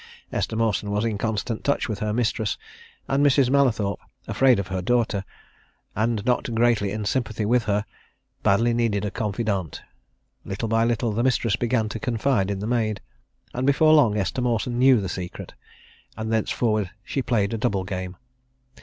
Esther Mawson was in constant touch with her mistress, and Mrs. Mallathorpe, afraid of her daughter, and not greatly in sympathy with her, badly needed a confidante. Little by little the mistress began to confide in the maid, and before long Esther Mawson knew the secret and thenceforward she played a double game.